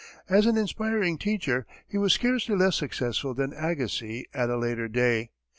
As an inspiring teacher he was scarcely less successful than Agassiz at a later day.